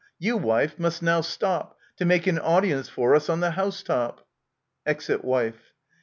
You, wife, must now stop, To make an audience for us, on the housetop. [Exit Wife.